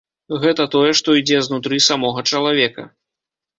Гэта тое, што ідзе знутры самога чалавека.